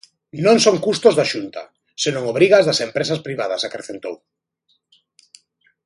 Non son custos da Xunta, senón obrigas das empresas privada, acrecentou.